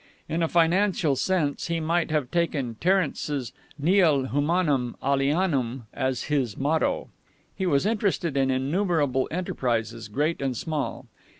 In a financial sense he might have taken Terence's Nihil humanum alienum as his motto. He was interested in innumerable enterprises, great and small.